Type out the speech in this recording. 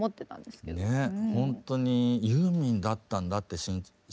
ほんとにユーミンだったんだって知った瞬間